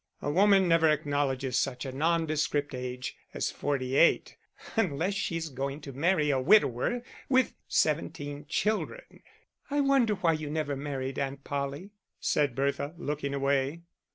A woman never acknowledges such a nondescript age as forty eight unless she is going to marry a widower with seventeen children." "I wonder why you never married, Aunt Polly?" said Bertha, looking away.